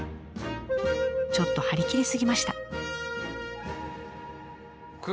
ちょっと張り切り過ぎました。